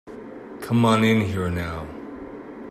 Come on in here now.